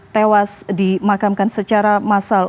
tewas dimakamkan secara massal